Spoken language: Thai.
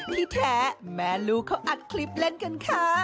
ที่แท้แม่ลูกเขาอัดคลิปเล่นกันค่ะ